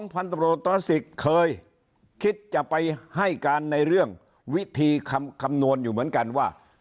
พันธบรสิทธิ์เคยคิดจะไปให้การในเรื่องวิธีคำนวณอยู่เหมือนกันว่า